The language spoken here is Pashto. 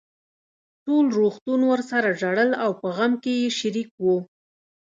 ټول روغتون ورسره ژړل او په غم کې يې شريک وو.